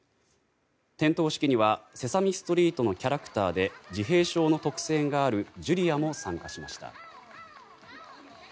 点灯式には「セサミストリート」のキャラクターで自閉症の特性があるジュリアも参加しました。